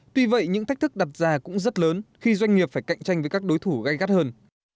tuy vậy những thách thức đặt ra cũng rất lớn khi doanh nghiệp phải cạnh tranh với các đối thủ gai gắt hơn